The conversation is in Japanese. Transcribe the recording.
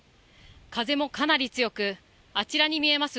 風もかなり強く、あちらに見えます